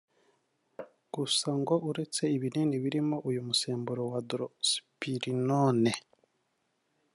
Gusa ngo uretse ibinini birimo uyu musemburo wa drospirenone